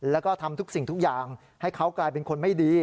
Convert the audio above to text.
แล้วก็ทำทุกสิ่งทุกอย่างให้เขากลายเป็นคนไม่ดี